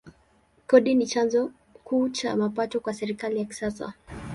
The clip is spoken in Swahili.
Kodi ni chanzo kuu cha mapato kwa serikali ya kisasa.